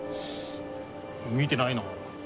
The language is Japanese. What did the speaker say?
見てないな。